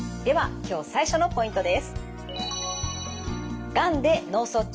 では今日最初のポイントです。